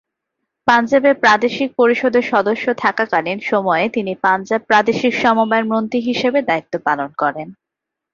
পাঞ্জাবের প্রাদেশিক পরিষদের সদস্য থাকাকালীন সময়ে তিনি পাঞ্জাব প্রাদেশিক সমবায় মন্ত্রী হিসেবে দায়িত্ব পালন করেন।